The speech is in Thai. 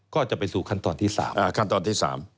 ก็จะไปสู่ขั้นตอนที่สาม